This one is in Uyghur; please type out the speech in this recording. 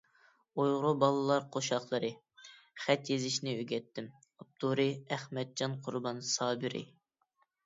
ئۇيغۇر بالىلار قوشاقلىرى: «خەت يېزىشنى ئۆگەتتىم»، ئاپتورى: ئەخمەتجان قۇربان سابىرى